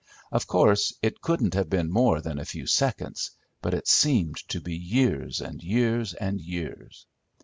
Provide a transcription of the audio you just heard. Of course it couldn't have been more than a few seconds, but it seemed to be years and years and years.